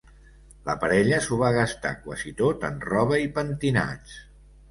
La parella s'ho va gastar quasi tot en roba i pentinats.